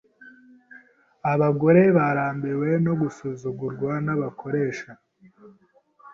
Abagore barambiwe no gusuzugurwa nabakoresha.